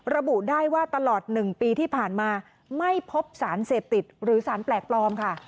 ระบุได้ว่าตลอด๑ปีที่ผ่านมาไม่พบสารเสพติดหรือสารแปลกปลอมค่ะ